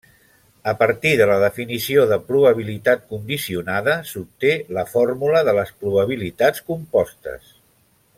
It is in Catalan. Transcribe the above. A partir de la definició de probabilitat condicionada s'obté la fórmula de les probabilitats compostes.